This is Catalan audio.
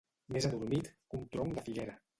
Més adormit que un tronc de figuera.